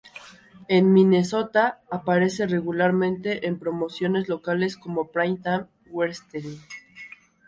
En Minnesota, aparece regularmente en promociones locales como Prime Time Wrestling.